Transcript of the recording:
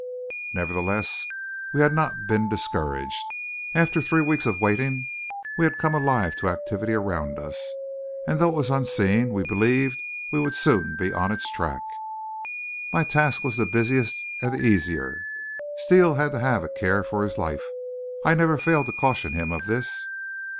Nevertheless we had not been discouraged. After three weeks of waiting we had become alive to activity around us, and though it was unseen, we believed we would soon be on its track. My task was the busier and the easier. Steele had to have a care for his life. I never failed to caution him of this.